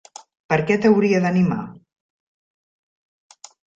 Per què t'hauria d'animar?